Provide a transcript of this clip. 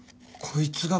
こいつは。